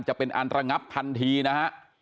จะเป็นอันระงับทันทีนะฮะ